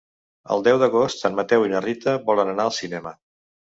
El deu d'agost en Mateu i na Rita volen anar al cinema.